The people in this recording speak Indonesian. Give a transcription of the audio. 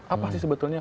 apa sih sebetulnya